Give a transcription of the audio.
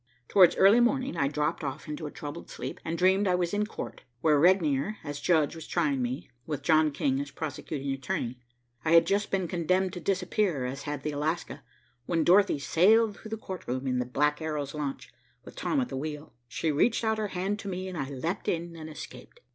Towards early morning I dropped off into a troubled sleep, and dreamed I was in court, where Regnier, as judge, was trying me, with John King as prosecuting attorney. I had just been condemned to disappear as had the Alaska, when Dorothy sailed through the courtroom in the Black Arrow's launch, with Tom at the wheel. She reached out her hand to me. I leaped in and escaped.